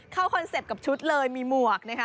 คอนเซ็ปต์กับชุดเลยมีหมวกนะคะ